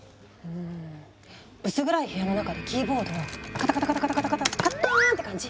薄暗い部屋の中でキーボードをカタカタカタカタカタカッターン！って感じ？